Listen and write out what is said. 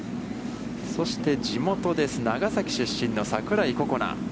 そして、地元です、長崎出身の櫻井心那。